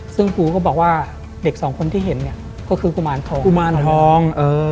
ซึ่งปูก็บอกว่าเด็ก๒คนที่เห็นก็คือกุมารทอง